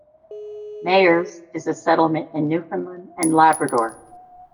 Mahers is a settlement in Newfoundland and Labrador.